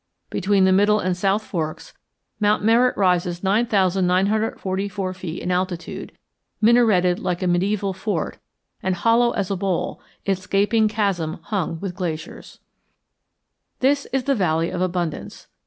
Between the Middle and South Forks Mount Merritt rises 9,944 feet in altitude, minareted like a mediæval fort and hollow as a bowl, its gaping chasm hung with glaciers. This is the valley of abundance.